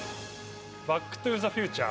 『バック・トゥ・ザ・フューチャー』。